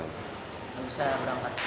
nggak bisa berangkat